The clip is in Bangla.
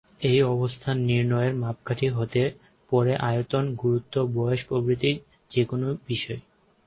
এই অবস্থান নির্ণয়ের মাপকাঠি হতে পারে আয়তন, গুরুত্ব, বয়স প্রভৃতি যে কোনো বিষয়।